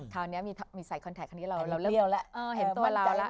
คราวนี้มีใส่คอนแทคที่เราเริ่มเห็นตัวเราละ